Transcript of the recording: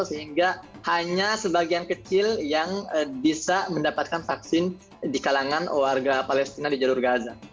sehingga hanya sebagian kecil yang bisa mendapatkan vaksin di kalangan warga palestina di jalur gaza